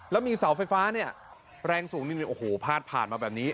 แล้วมีเสาไฟฟ้าเนี่ยแรงสูงนี่โอ้โหพาดผ่านมาแบบนี้